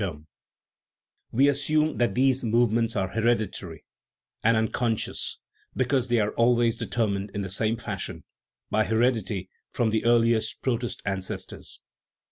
THE RIDDLE OF THE UNIVERSE We assume that these movements are hereditary and unconscious, because they are always determined in the same fashion by heredity from the earlier protist ancestors.